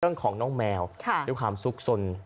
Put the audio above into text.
เรื่องของน้องแมวด้วยความสุขสน